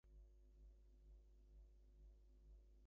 Miles was born and educated in South Wales.